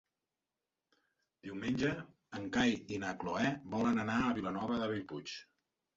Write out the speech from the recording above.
Diumenge en Cai i na Cloè volen anar a Vilanova de Bellpuig.